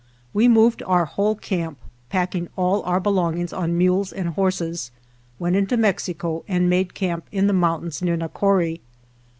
We moved our whole camp, packing all our belongings on mules and horses, went into Mexico and made camp in the mountains near Nacori.